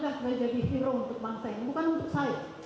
bukan untuk saya